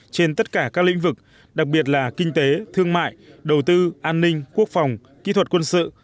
trên tất cả các lĩnh vực đặc biệt là kinh tế thương mại đầu tư an ninh quốc phòng kỹ thuật quân sự